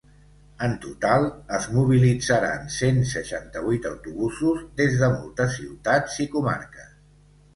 En total, es mobilitzaran cent seixanta-vuit autobusos des de moltes ciutats i comarques.